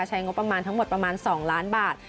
ใช้งบประมาณทั้งหมดประมาณ๒ล้านบาท